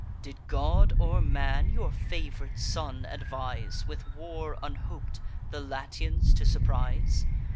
Did god or man your fav'rite son advise, With war unhop'd the Latians to surprise?